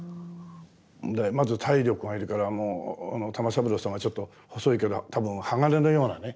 まず体力がいるからもう玉三郎さんはちょっと細いけど多分鋼のようなね